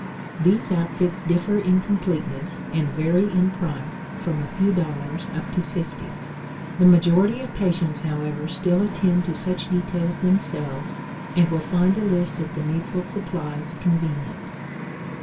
These outfits differ in completeness and vary in price from a few dollars up to fifty. The majority of patients, however, still attend to such details themselves, and will find a list of the needful supplies convenient.